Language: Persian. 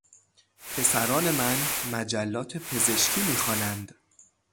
پسران من مجلات پزشکی میخوانند.